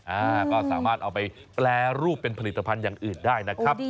อ่าก็สามารถเอาไปแปรรูปเป็นผลิตภัณฑ์อย่างอื่นได้นะครับ